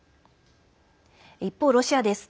一方、ロシアです。